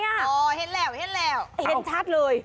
เห็นแล้วเห็นชัดเลย